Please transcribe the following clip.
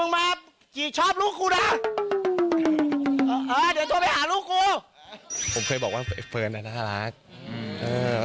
ผมเคยบอกว่าเฟิร์นน่ารักนะ